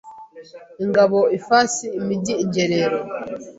ingabo ifasi imijyi ingerero